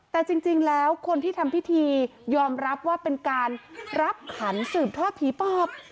แต่จริงแล้วคนที่ทำพิธียอมรับว่าเป็นการรับขันสืบทอดผีปอบ